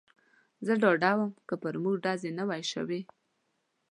زه ډاډه ووم، که پر موږ ډزې نه وای شوې.